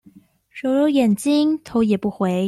揉揉眼睛頭也不回